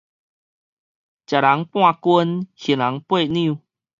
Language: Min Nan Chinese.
食人半斤，還人八兩